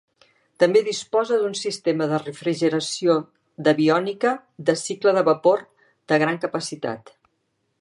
També disposa d'un sistema de refrigeració d'aviònica de cicle de vapor de gran capacitat.